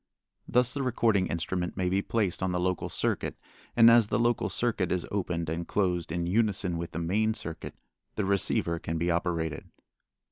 Thus the recording instrument may be placed on the local circuit and as the local circuit an opened and closed in unison with the main circuit, the receiver can be operated.